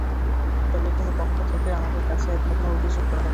তবে কোনো পক্ষ থেকে আমাদের কাছে এখনো কোনো অভিযোগ করা হয়নি।